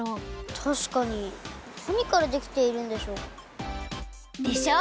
なにからできているんでしょう？でしょ？